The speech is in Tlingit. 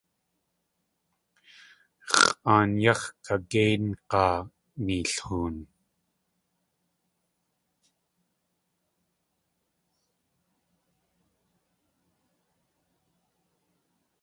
X̲ʼaan yáx̲ kakéing̲aa neelhoon!